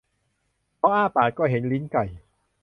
พออ้าปากก็เห็นลิ้นไก่